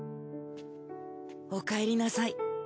おかえりなさい。